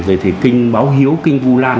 rồi kinh báo hiếu kinh vô lan